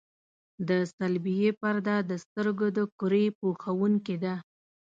د صلبیې پرده د سترګو د کرې پوښوونکې ده.